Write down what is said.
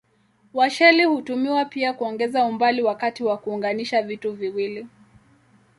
Washeli hutumiwa pia kuongeza umbali wakati wa kuunganisha vitu viwili.